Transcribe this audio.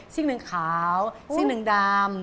สิ้งหนึ่งขาวสิ้งหนึ่งดำ